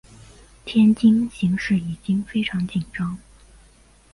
天津形势已经非常紧张。